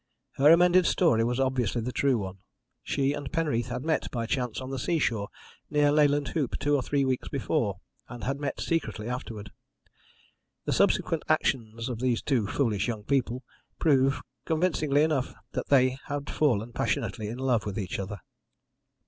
Her amended story was obviously the true one. She and Penreath had met by chance on the seashore near Leyland Hoop two or three weeks before, and had met secretly afterward. The subsequent actions of these two foolish young people prove, convincingly enough, that they had fallen passionately in love with each other.